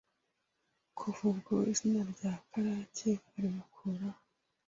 kuva ubwo izina rya Karake barimukuraho,